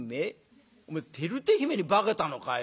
「おめえ照手姫に化けたのかよ？」。